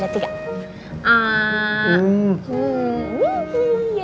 terus dapet tiga